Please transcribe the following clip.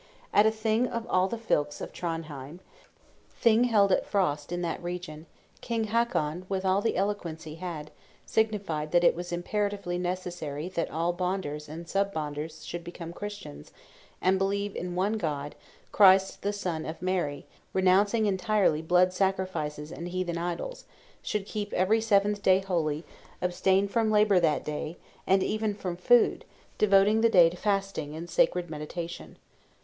At a Thing of all the Fylkes of Trondhjem, Thing held at Froste in that region, King Hakon, with all the eloquence he had, signified that it was imperatively necessary that all Bonders and sub Bonders should become Christians, and believe in one God, Christ the Son of Mary; renouncing entirely blood sacrifices and heathen idols; should keep every seventh day holy, abstain from labor that day, and even from food, devoting the day to fasting and sacred meditation.